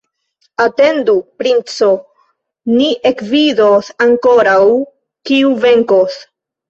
Atendu, princo, ni ekvidos ankoraŭ, kiu venkos!